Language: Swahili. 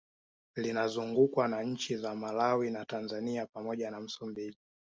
Linazungukwa na nchi za Malawi na Tanzania pamoja na Msumbiji